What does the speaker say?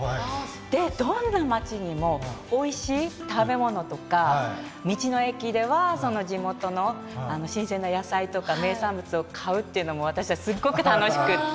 でどんな町にもおいしい食べ物とか道の駅では地元の新鮮な野菜とか名産物を買うっていうのも私はすっごく楽しくて。